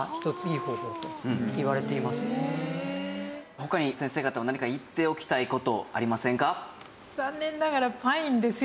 他に先生方も何か言っておきたい事ありませんか？